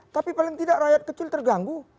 tapi paling tidak rakyat kecil terganggu